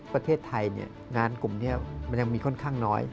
ประเทศไทยงานกลุ่มนี้มันยังมีค่อนข้างน้อย